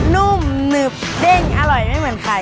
นุ่มหนึบเด้งอร่อยไม่เหมือนใคร